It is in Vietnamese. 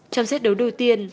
trong giết đấu đầu tiên